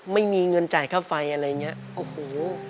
ไม่มีเงินจ่ายค่าไฟอะไรอย่างนี้โอ้โห